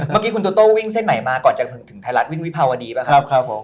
เมื่อกี้คุณโตโต้วิ่งเส้นใหม่มาก่อนจะถึงไทยรัฐวิ่งวิภาวดีป่ะครับผม